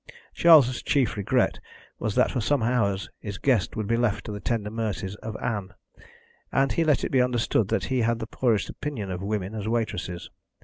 Charles' chief regret was that for some hours his guest would be left to the tender mercies of Ann, and he let it be understood that he had the poorest opinion of women as waitresses.